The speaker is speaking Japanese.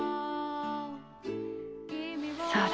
そうだ。